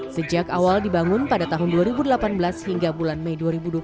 sejak awal dibangun pada tahun dua ribu delapan belas hingga bulan mei dua ribu dua puluh